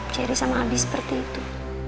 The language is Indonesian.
cherry sama abi seperti itu